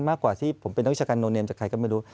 มากกว่าที่ผมเป็นนักวิชาการโนเมมจากใครก็ไม่รู้